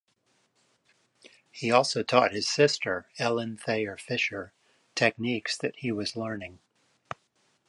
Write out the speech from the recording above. He also taught his sister, Ellen Thayer Fisher, techniques that he was learning.